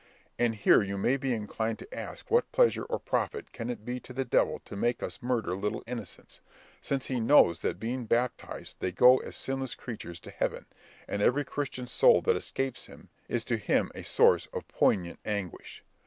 And here you may be inclined to ask what pleasure or profit can it be to the devil to make us murder little innocents, since he knows that being baptised they go as sinless creatures to heaven, and every Christian soul that escapes him is to him a source of poignant anguish.